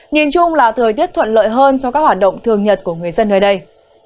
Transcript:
nhìn chung là thời tiết thuận lợi hơn cho các hoạt động thường nhật của người dân nơi đây